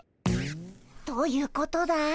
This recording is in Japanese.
どういうことだい？